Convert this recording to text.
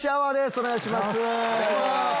お願いします！